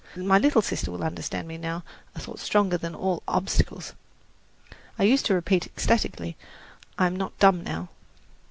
"My little sister will understand me now," was a thought stronger than all obstacles. I used to repeat ecstatically, "I am not dumb now."